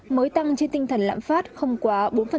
mới tăng trên tinh thần lãm phát không quá bốn